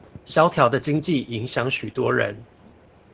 蕭條的經濟影響許多人